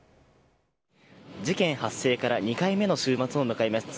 事件発生から２回目の週末を迎えます。